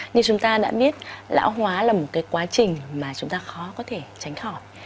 như chúng ta đã biết lão hóa là một cái quá trình mà chúng ta khó có thể tránh khỏi